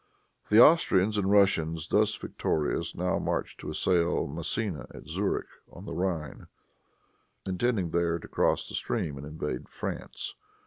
The Austrians and Russians, thus victorious, now marched to assail Massena at Zurich on the Rhine, intending there to cross the stream and invade France.